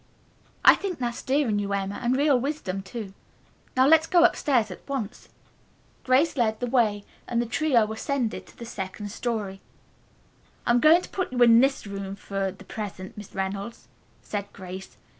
"I think that's dear in you, Emma, and real wisdom too. Now let's go upstairs, at once." Grace led the way and the trio ascended to the second story. "I'm going to put you in this room for the present, Miss Reynolds," said Grace.